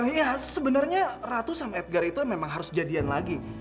ya sebenernya ratu sama edgar itu memang harus jadian lagi